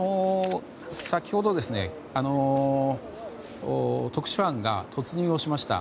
先ほど、特殊班が突入をしました。